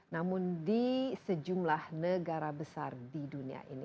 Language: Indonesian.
namun di sejumlah negara besar di dunia ini